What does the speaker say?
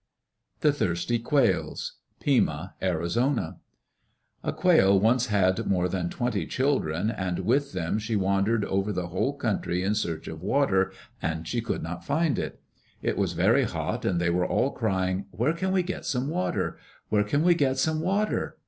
The Thirsty Quails Pima (Arizona) A Quail once had more than twenty children, and with them she wandered over the whole country in search of water and could not find it. It was very hot and they were all crying, "Where can we get some water? Where can we get some water?"